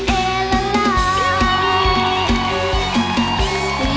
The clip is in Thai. เอเอเหล่าไหร่